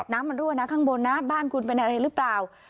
น้ำมันรั่วข้างบนนะบ้านคุณเป็นอะไรหรือเปล่า